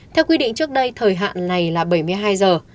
theo quy định trước đây thời hạn này là bảy mươi hai giờ